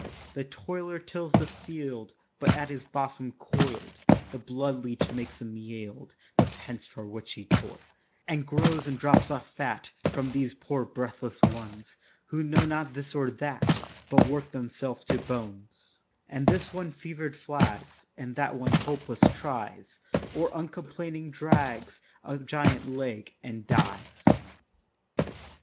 The toiler tills the field, But at his bosom coil'd The blood leach makes him yield The pence for which he toil'd, And grows and drops off fat From these poor breathless ones, Who know not this or that But work themselves to bones; And this one fever'd flags, And that one hopeless tries, Or uncomplaining drags A giant leg, and dies.